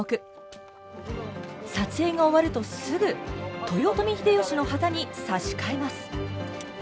撮影が終わるとすぐ豊臣秀吉の旗に差し替えます。